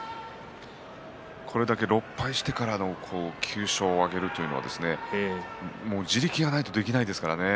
これだけ６敗してからの９勝を挙げるというのは地力がないとできないですからね。